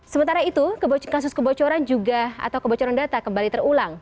sementara itu kasus kebocoran juga atau kebocoran data kembali terulang